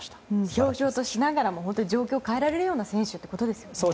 ひょうひょうとしながら状況を変えられるような選手ということですよね。